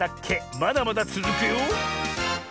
まだまだつづくよ。